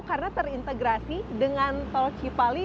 karena terintegrasi dengan tol cipali